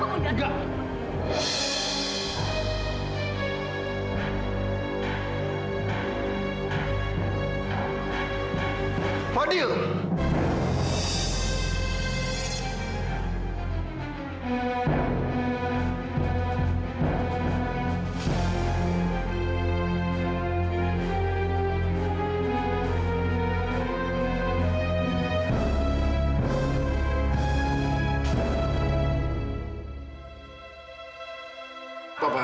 aku akan lepaskan